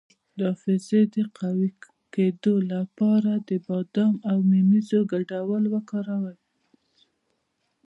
د حافظې د قوي کیدو لپاره د بادام او مویزو ګډول وکاروئ